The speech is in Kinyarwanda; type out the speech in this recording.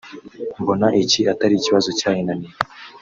mbona iki atari ikibazo cyayinaniye